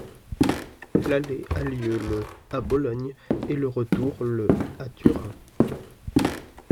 L'aller a lieu le à Bologne et le retour le à Turin.